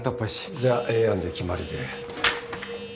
じゃあＡ案で決まりで。